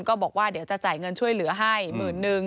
ก็บอกว่าเดี๋ยวจะจ่ายเงินช่วยเหลือให้หมื่นนึง